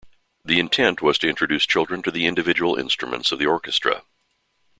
The intent was to introduce children to the individual instruments of the orchestra.